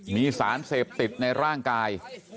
มีสารเสพติดในร่างกาย